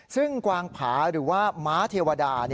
ซึ่งกวางผาหรือว่าม้าเทวดา